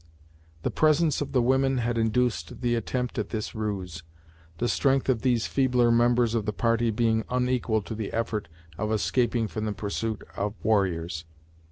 The presence of the women had induced the attempt at this ruse, the strength of these feebler members of the party being unequal to the effort of escaping from the pursuit of warriors.